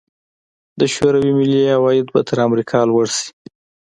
د شوروي ملي عواید به تر امریکا لوړ شي.